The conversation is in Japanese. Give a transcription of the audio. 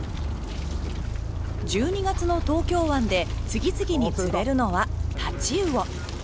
１２月の東京湾で次々に釣れるのはタチウオ。